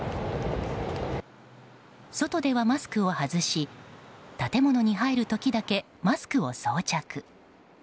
外ではマスクを外し建物に入る時だけマスクを装着。